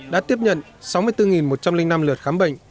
đã tiếp nhận sáu mươi bốn một trăm linh năm lượt khám bệnh